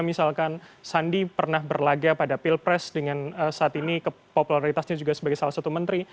misalkan sandi pernah berlaga pada pilpres dengan saat ini kepopularitasnya juga sebagai salah satu menteri